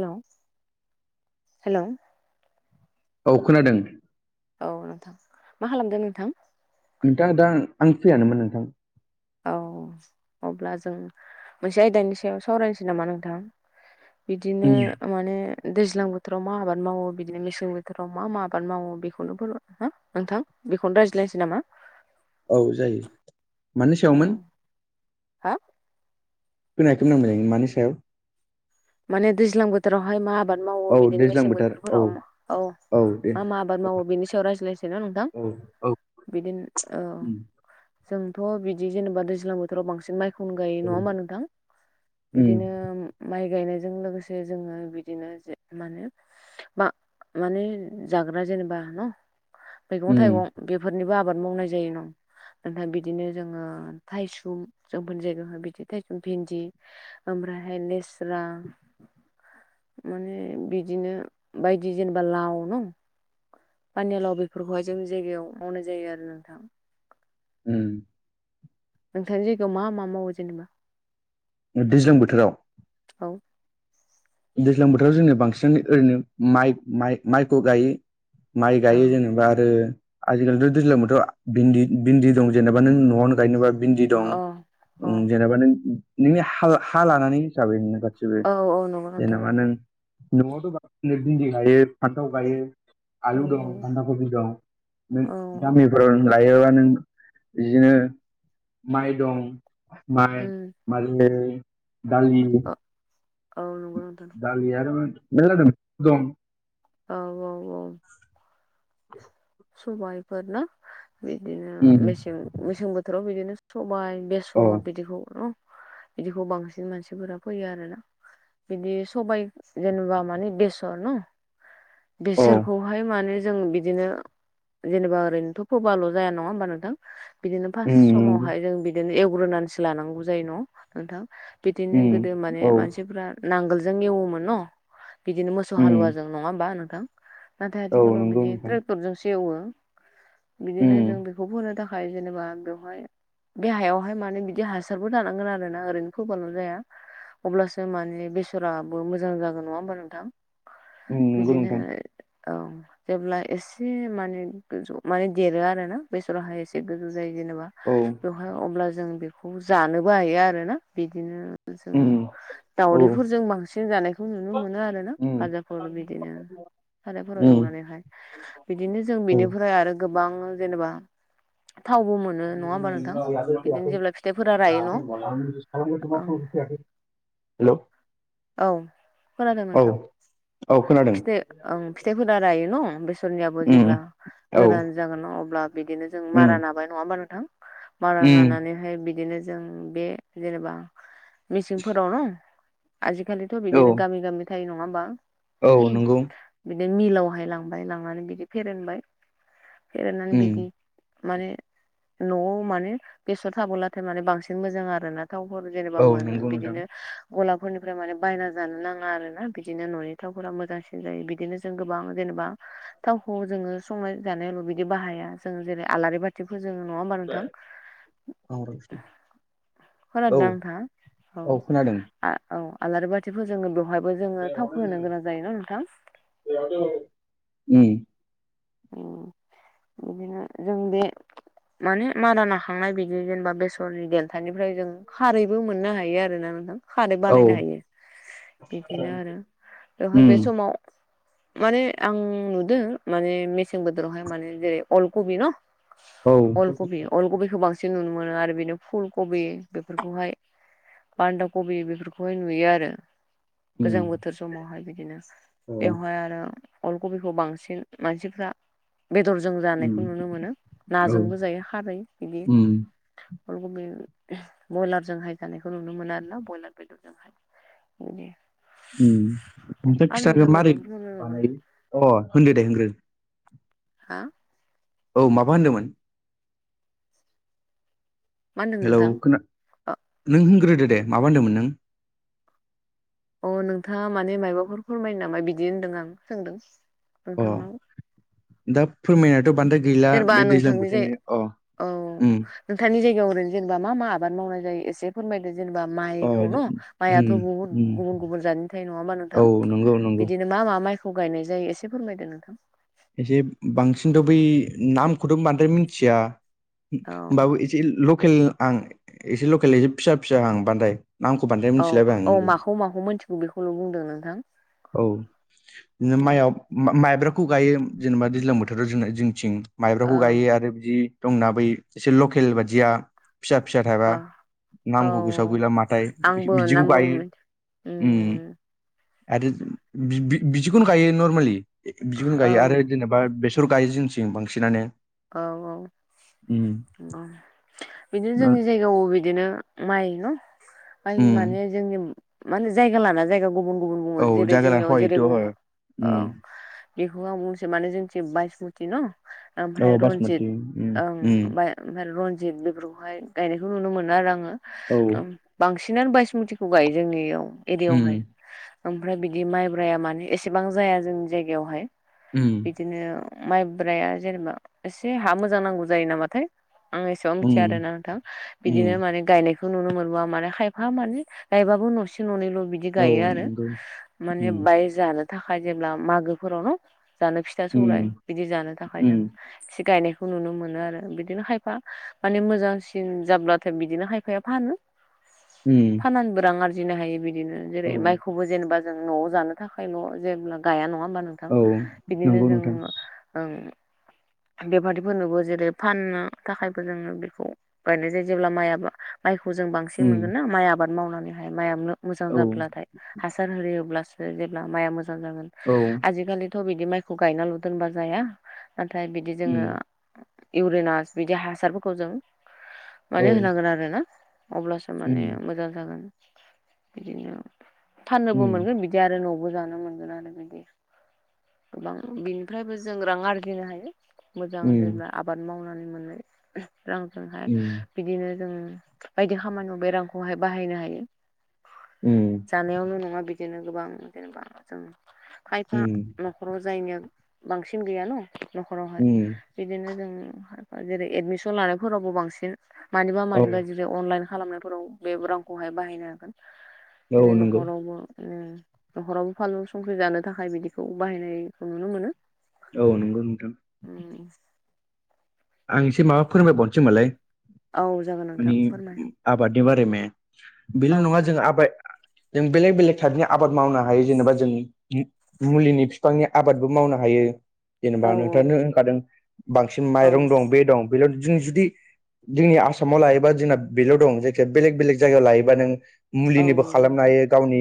हेल' hello? औ खोनादों। औ नोंथां मा खालामदो नोंथां? नोंथाङा दा आं फ्रियानोमोन नोंथां। औ अब्ला जों मोनसे आयदानि सायाव सावरायनोसै नामा नोंथां? बिदिनो उम माने दैज्लां बोथोराव मा आबाद मावो बिदिनो मेसें बोथोराव मा मा आबाद मावो बेखौनो फोर नोंथां बेखौनो रायज्लायनोसै नामा? औ जायो मानि औ सायावमोन हा? होनोनायखौनां मोजाय मानि सायाव माने दैज्लां बोथोरावहाय मा आबाद मावो औ बिदिनो दैज्लां मेसें बोथोर औ बोथोरफोराव औ। मा मा आबाद मावो बेनि सायाव रायज्लायसै न नोंथां औ औ बिदिनो औ। उम जोंथ' बिदि जेनेबा दैज्लां बोथोराव बांसिन माइ अनगायै नङा होमबा उम नोंथां बिदिनो माइ गायनायजों लोगोसे जोङो बिदिनो जे मा होनो बा माने जाग्रा जेनेबा न मैगं उम थाइगं। बेफोरनिबो आबाद मावनाय जायो न। ओमफ्राय बिदिनो जोङो थायसुम जोंफोरनि जायगायावाय बिदि थायसुम भिन्दि ओमफ्रायहाय लेस्रा। माने बिदिनो बायदि जेनेबा लाव नं पानिलाव बेफोरखौहाय जों जायगायाव मावनाय जायो आरो नोंथां। उम। नोंथांनि जायगायाव मा मा मावो जेनेबा? दैज्लां बोथोराव? औ। दैज्लां बोथोराव जोंनो बांसिनानो ओरैनो माइ माइ माइखौ गायो। माइ औ गायो जेनेबा आरो आजिखालिथ' दैज्लां बोथोराव भिन्दि भिन्दि दं जेनेबा नों न'आवनो गायनोबा भिन्दि दं अ अ ओं जेनेबा नों नोंनि हा लानानै हिसाबै नोंनि गासिबो औ औ नं जेनेबा नों न'आवथ' बां नो बिन्दि हायो। फान्थाव गायो औ आलु दं बान्दा कबि दं नों औ औ दामिनफोर लायोबा नों बिदिनो माइ दं माइ उम मालै दालि औ औ नंगौ नोंथां। दालि आरो मेरला जादों दं औ औ औ [inaudible] सबाइफोर ना बिदिनो उम मेसें मेसें बोथोराव बिदिनो सबाइ बे अ सर बिदिखौ न बिदिखौ बांसिन मानसिफोरा फैयो आरो ना। बिदि सबाइ जेनेबा मानि बेसर न। औ बिसोरखौहाय माने जों बिदिनो जेनेबा ओरैनोथ' फोबाल' जाया नङा होमबा नोंथां? बिदिनो फार्स्ट उम नंगौ समावहाय जों बि बिदिनो एवग्रोनानैसो लानांगौ जायो न' नोंथां बिदिनो उम गोदो माने औ मानसिफ्रा नांगोलजों एवोमोन न बिदिनो मोसौ उम हालुवाजों नङा होनोमबा नोंथां? नाथाय औ आथिखालाव नंगौ बिदि नोंथां ट्रेक्टर जोंसो एवो उम बिदिनो जों बेखौ फोनो था खाय जेनेबा बेवहाय बेे हायावहाय माने बिदि हासारबो दानांगोन आरोना ओरैनो फोबालल' जाया। अब्लासो माने बेसराबो मोजां जागोन नङा होमबा नोंथां। उम नंगौ बिदिनो नोंथां औ जेब्ला एसे एसे माने माने देरो आरो ना बेसराव हाय एसे एसे गोजौ जायो जेनेबा औ बेवहाय अब्ला जों बेखौ जानोबो हायो आरो ना बिदिनो जोङो उम औ दावउदैफोरजों बांसिन जानायखौ नुनो मोनो आरो उम फाजाफोर बिदिनो फाजाफोराव उम एवनानैहाय बिदिनो जों बिनिफ्राय आरो गोबां जेनेबा थावबो मोन ओं नङा होमबा नोंथां बिदिनो औ जेब्ला फिथाइफोरा रायो न' हेलौ ओं। [inaudible] हेल' औ खोनादों नोंथां औ खोनादों फिथो ओं फिथाइफोरा रायो न' बेसरनियाबो उम जेब्ला औ गोरान जागोन न अब्ला बिदिनो जों उम मारा नाबाय नङा हा नोंथां मारा उम नानानै ओमफ्राय बिदिनो जों बे जेनेबा मिसिंफोरावनो आजिखालिथ' औ बिदिनो गामि गामि थायो नङा होमबा औ नंगौ बिदिनो मिलावहाय लांबाय लांनानै बिदि फेरेनबाय फेरेननानै उम बिदि माने न'आव माने बेसर थाबोलाथाय माने बांसिन मोजां आरोना थावफोर जेनेबा औ मोनो नंगौ नोंथां बिदिनो गला फोरनिफ्राय माने बायना जानो नाङा आरोना बिदिनो न'नि थावफोरा मोजांसिन जायो बिदिनो जों गोबां जेनेबा थावखौ जोङो संनाय जानायल' बिदि बाहाया जों जेरै आलारि बा थि फोजोङो नङा होमबा नोंथां खोनादों ना औ नोंथाङा खोनादों उम औ औ आलारि बाथिफोर जोङो बेवहायबो जोङो थावखौ होनो गोनां जायो ना नोंथां [unintelligible] उम ओम इदिनो जों बे माने मारा नाखांनाय बिदि जेनेबा बेसरनि देनथानिफ्राय जों खारैबो मोननो हायो आरो ना नोंथां खारै औ बानायनो उम हायो बिदिनो आरो बेवहाय बे समाव माने आं नुदों माने मेसें बोथोरावहाय माने जेरै अल कबि न' औ उम औ उम अलकबि अलकबिखौ बांसिन नुनो मोनो आरो बेनो फुल कबि बेफोरखौहाय बान्दा कबि बेफोरखौहाय नुयो आरो गोजां बोथोर समावहाय बिदिनो बेवहाय आरो अल खबिखौ बांसिन मानसि फोरा बेदरजों जानायखौ नुनो मोनो औ नाजोंबो जायो खारै बिदि उम अलगबि बयलारजोंहाय जानायखौ नुनो मोनो आरोना बयलार बेदरजोंहाय बिदि उम नोंसोर आरो खिथादो नोंथाङा मोरै मायबाफोर बुंनो नांगौ नामा बानायो अ होनदो दे होनग्रो हा औ माबा होनदोंमोन मा होनदों हेलौ नोंथां खोना नों होनग्रोदो दे माबा होनदोंमोन नों अ नोंथाङा माने माबाफोर फोरमायो नामा बिदि होनदों आं सोंदों नों अ नोंथांनाव दा फोरमायनायाथ' बान्द्राय गैला जेनेबा बे दैज्लां नोंथांनि जाय बोथोरनि अ औ ओम नोंथांनि जायगायाव ओरै जेनबा मा मा आबाद मावनाय जायो एसे फोरमायदो जेनेबा अ माइखौ न' माइआथ' उम बुहुत उम गुबुन गुबुन जानायनि थायो नङा होमबा नोंथां औ नंगौ नंगौ बिदिनो मा मा माइखौ गायनाय जायो एसे फोरमायदो नोंथां एसे बांसिनथ' बै नामखौथ' बांद्राय मिथिया औ होमबाबो एसे लकेल आं एसे लकेल एसे फिसा फिसा हां बांदाय नामखौ बांद्राय औ मिथिलाबाया औ आं माखौ माखौ मोनथिगौ बेखौल' बुंदों नोंथां औ नो माइआव माइ माइब्राखौ गायो जेनेबा दैज्लां बोथोराव जोंना जोंथिं माइब्राखौ औ गायो आरो बिदि दंना बै एसे लकेल बादिया फिसा फिसा थायबा औ औ नांगौ गोसााव गैला माथाय आंबो बिदिखौ नामबो गायो उम आरो बि बि बिदिखौनो गायो नर्मेलि बिदिखौनो औ गायो आरो जेनेबा बे फोरखौ गायो जोंनिथिं बांसिनानो। औ औ उम औ बिदिनो ओ- जोंनि जायगायावबो बिदिनो माइ न माइ उम माने जोंनि मान जायगा लाना जायगा गुबुन गुबुन बुङो औ जेरै जायगा लाना जोंनियाव जेरै हयथ' बुङो हय उम ओ बेखौ आं बुंनोसै माने जोंथि बायसमति न ओमफ्राय औ बासमति रनजित उम ओं उम बाय ओमफ्राय रनजित बेफोरखौहाय गायनायखौ नुनो मोनो आरो आङो औ बांसिनानो बायसमुथिखौ गायो जोंनियाव एरियायावहाय उम ओमफ्राय बिदि माइब्राया मानि एसेबां जाया जोंनि जायगायावहाय उम बिदिनो माइब्राया जेनेबा एसे हा मोजां नांगौ जायो नामाथाय आं एसेबां मिथिया आरो उम ना नोंथां बिदिनो उम माने गायनायखौ खौ नुनो मोनबो माने खायफा माने गायबाबो न'से न'नैल' बिद बिदि औ गायो आरो नंगौ माने उम बाय जानो थाखाय जेब्ला मागोफोराव न जानो फिथा सौलाय उम बिदि जानो थाखाय जों उम एसे गायनायखौ नुनो मोनो आरो बिदिनो खायफा माने मोजांसिन जाब्लाथाय बिदिनो खायफाया फानो। उम नांब्रां रां आरजिनो हायो बिदिनो जेरै औ माइखौबो जेनेबा जों न'आव जानो थाखाय न' जेब्ला गाया नङा होमबा नोंथां औ बिदिनो नंगौ जों नोंथां ओं बेफारिफोरनोबो जेरै फाननो थाखायबो जोङो बेखौ बायनाय जायो जेब्ला माइआ माइखौ जों बां बांसिन उम मोनगोन ना माइ आबाद मावनानै हाय माइआनो मोजां औ जाब्लाथाय हासार होयोब्ला जेब्ला माइआ मोजां जागोन औ आजिखालिथ' बिदि माइखौ गायनाल' दोनबा जाया। ओमफ्राय बिदि जोङो उम इउरिनास बिदि हासारफोरखौ जों माने औ होनांगोन आरोना अब्लासो उम माने मोजां जागोन बिदिनो फाननोबो उम मोनगोन बिद दि आरो न'बो जानो मोनगोन आरो बिदि गोबां बिनिफ्रायबो जों रां आरजिनो हायो। मोजां उम जेनेबा आबाद मावनानै मोननाय रांजों हाय उम बिदिनो जों बायदि खामानियाव बेरांखौ हाय बाहायनो हायो। उम जानायावल' नङा बिदिनो गोबां जेनेबा जों खायफा उम न'खराव जायनिया बांसिन गैया न' न'खराव हाय उम बिदिनो जों जेरै एदमिसन लानायफोरावबो बांसिन मानिबा औ मानिबा जो जे अनलाइन खालामनायफोराव बे रांखौ हाय बाहायनो हागोन। औ बिदिनो नंगौ नख'रावबो उम न'खरावबो फानलु संख्रि जानो थाखाय बिदिखौ बाहायनायखौ नुनो मोनो। औ नंगौ नोंथां उम आं एसे माबा फोरोंमायबावनोसैमोनलाय औ जागोन नोंथां फोरमाय। आबादनि बारै मे बेल' औ नङा जों जागोन आबे जों बेलेग बेलेग थायबनिया आबाद मावनो हायो जेनेबा जों मुलिनि बिफांनि आबादबो मावनो हायो। औ जेनेबा नोंथांनो होनखादों बांसिन औ माइरं दं बे दं बेल' जों जुदि जोंनि आसामाव लायोबा जोंना बेल' दं जायखिया बेलेग बेलेग जायगायाव लायोबा नों औ मुलिनिबो नंगौ खालामनो नोंथां हायो गावनि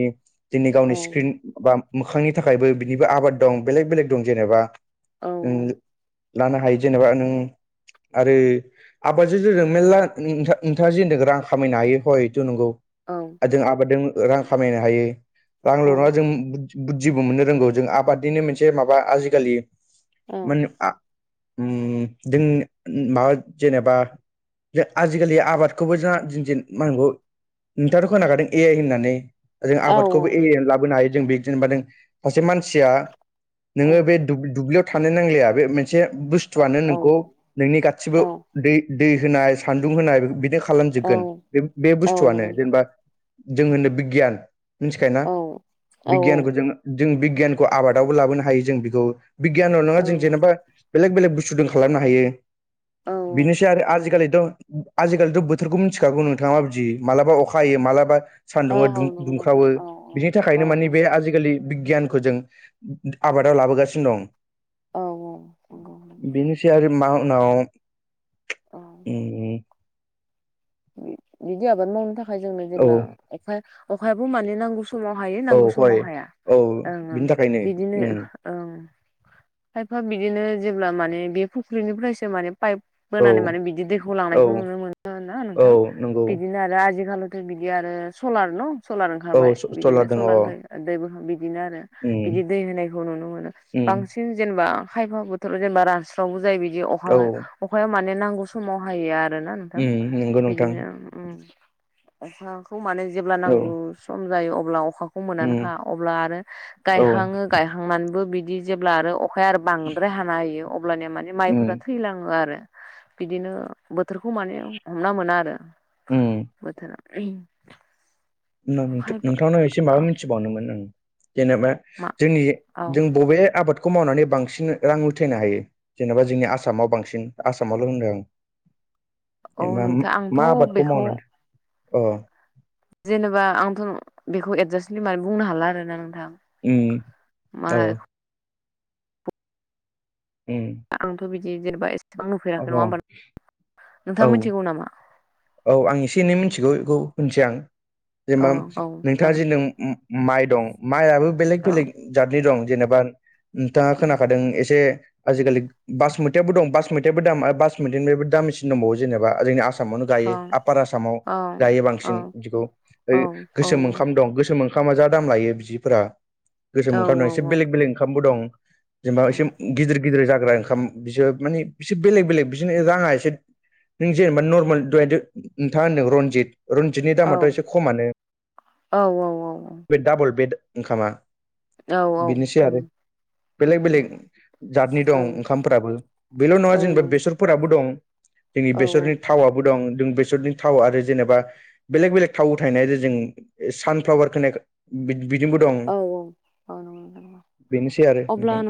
दिनै गावनि औ स्क्रिन बा मोखांनि थाखायबो बिनिबो आबाद दं बेलेग बेलेग दं जेनेबा औ उम लानो हायो जेनेबा नों आरो आबादजों मेरला नोंथां नोंथाङा जे रां खामायनो हायो हय थ' नंगौ। औ जों आबादजों रां खामायनो हायो औ रांल' नङा जों बुद्धिबो मोननो रोंगौ जों आबादनिनो मोनसे माबा आजिखालि मोन आ उम नि जों माबा जेनेबा आजिखालि आबादखौबो जोंहा दिन दिन मांगौ। नोंथाङाथ' खोनाखादों ए आइ होननानै। जों औ आबादखौबो ए आइयानो लाबोनो हायो जों बे जेनेबा नों सासे मानसिया औ नोङो बे दु-दुब्लियाव थानो नांलाया बे मोनसे बुस्थुआनो खौ नोंनि गासिबो औ दै दै होनाय सान्दुं होनाय बिनि बिखौ औ खालामजोबगोन बे बे औ बुस्थुआनो नंगौ नोंथां जेनेबा जों होनो बिगियान। मिथिखायोना औ औ बिगियानखौ औ जों जों बिगियानखौ आबादावबो लाबोनो हायो जों बेखौ बिगियानाव नङा जों औ जेनेबा बेलेग बेलेग बुस्थु जों खालामनो हायो। बेनोसै आरो आजिखालिथ' आजिखालिथ' बोथोरखौ मिथिखागौ नोंथाङा माबायदि मालाबा अखा हायो मालाबा सानदुङा औ औ नंगौ दुंख्रावो। नोंथां औ बिनि औ थाखायनो माने बे आजिखालि बिगियानखौ जों आबादाव लाबोगासिनो दं। औ औ नंगौ बेनिसै आरो मानाव उम। बिदि आबाद मावनो थाखाय जोंनो औ जेब्ला अखायाबो मानो नांगौ समाव हायो औ नांगौ हय समाव हाया औ ओं-ओं बिनि थाखायनो बिदिनो उम ओं पाइपआ बिदिनो जेब्ला माने बे फुख्रिनिफ्रायसो माने पाइप औ मोनानै माने बिदि दैखौ औ लांनायखौ नुनो मोनो ना औ नोंथां नंगौ बिदिनो आरो आजिखााल ओमफ्राय बिदि आरो सलार न' सलार औ ओंखारबाय बिदिनो सलार दङ सलारनिफ्राय दै बिदिनो आरो उम बिदि दै होनायखौ नुनो मोनो उम बांसिन आथिं जेनेबा खायफा बोथोराव जेनेबा रानस्रावबो जायो बिदि अखा औ अखाया माने नांगौ समाव हायो आरो ना नोंथां उम नंगौ नोंथां बिदिनो उम अखाखौ माने जेब्ला औ नांगौ सम जायो अब्ला अखाखौ खौ उम मोननानै हाया अब्ला आरो औ गायहाङो गायहांनानैबो बिदि जेब्ला आरो अखाया आरो बांद्राय हाना होयो अब्लानिया माने माइफोरा उम थैलाङो आरो बिदिनो बोथोरखौ माने हमना मोना आरो उम बोथोरा। खायफा नोंथांनाव एसे माबा मिथिबावनोमोन आं जेनेबा मा जोंनि औ जों बबे आबादखौ खौ मावनानै बांसिन रां उथायनो हायो जेनेबा जोंनि आसामाव बांसिन आसामावल' होनदों आं औ जबा नोंथां आंथ' मा आबादखौ बेखौ मावनानै अ जेनेबा आंथ' बेखौ एडजास्ट हो मनानै बुंनो हाला आरोना नोंथां उम मा औ। उम आंथ' बिदि जेनेबा एसेबां अ नुफेराखै नङा होनबा औ नोंथाङा मिथिगौ नामा? औ आं एसे एनै मिथिगौ बेखौ होनसै आं औ जेनेबा औ नोंथाङा जे जागोन नों माइ दं माइयाबो बेलेग औ बेलेग जातनि दं जेनेबा नोंथाङा खोनाखादों एसे आजिखालि बास मोन मेथाइबो दं बास मेथाइबो दाम बास मेथाइनिबो दामसिन दंबावो जेनेबा जोंनि आसामाव दायो ओं आपार आसामआव औ दायो औ बांसिन बिदिखौ औ औ गोसोम ओंखाम दं ओंखामा जा दाम लायो बिफोरा औ गोसोम ओंखाम दं एसे औ बेलेग बेलेग ओंखामबो दं। जेनबा उम एसे गिदिर गिदिर गिदिर जाग्रा ओंखाम बिसोर माने बिसोर बेलेग बेलेग बिसनो राङा एसे नों जेनेबा नर्मेल। दाय नोंथाङा होनदों रनजित रनजितनि दामाथ' एसे खमानो। औ औ औ औ। बे डाबल बेड ओंखामा। औ औ। बिनोसै आरो उम बेलेग उम बेलेग जातनि औ दं ओंखामफोराबो बेल' नङा जेनेबा नंगौ बेसर फोराबो दं जोंनि औ बेसरनि थावआबो दं जों बेसरनि थाव आरो जेनेबा बेलेग बेलेग थाव थाहनाय जों सानफ्लावारखौ। बिदिनोबो दं औ नंगौ नोंथां नंगौ। बेनोसै आरो नोंथां।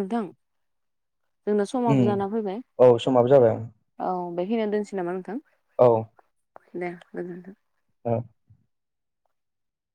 जोंना समाबो जाना फैबाय औ समाबो जाबाय औ बे खिनि [unintelligible] दोनसै नामा नोंथां? औ दे गोजोन्थों औ।